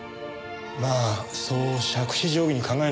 まあそう杓子定規に考えなくても。